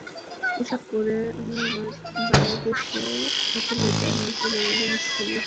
পোশাক পরে আমরা বাংলাদেশের অ্যাথলেটরা নিচে নামলাম স্থানীয় সময় সন্ধ্যা ছয়টায়।